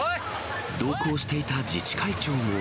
同行していた自治会長も。